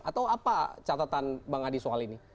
atau apa catatan bang adi soal ini